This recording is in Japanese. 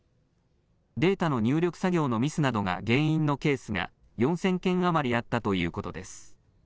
データの入力作業のミスなどが原因のケースが４０００件余りあったということです。